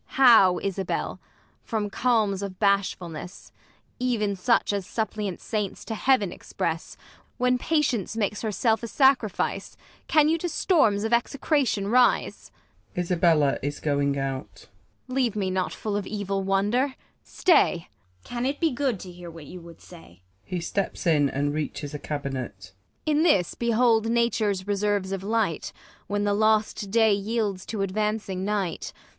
How, Isabell 1 from calms of bashfulness Even such as suppliant saints to Heaven express, When patience makes her self a sacrifice. Can you to storms of execration rise 1 [Isabell is going out. Leave me not full of evil wonder : stay ! ISAB. Can it be good to hear Avhat you would say 1 \He steps in and reaches a cabinet ; Ang. In this behold nature's reserves of light. When the lost day yields to advancing night.